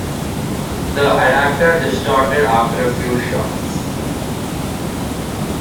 The adaptor distorted after a few shots.